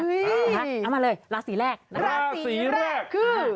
เอามาเลยราศีแรกนะครับราศีแรกคือ